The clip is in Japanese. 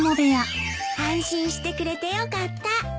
安心してくれてよかった。